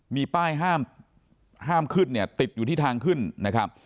มีป้ายห้ามขึ้นเนี่ยติดอยู่ที่ทางขึ้นนะครับ